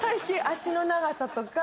脚の長さとか。